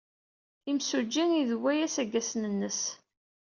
Imsujji idiwa-as aggasen-nnes.